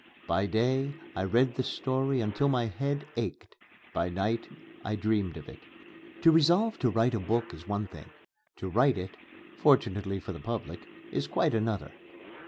By day I read the story until my head ached; by night I dreamed of it. To resolve to write a book is one thing; to write it fortunately for the public is quite another.